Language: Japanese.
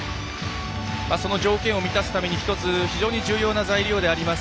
その条件を満たすために１つ非常に大切な条件であります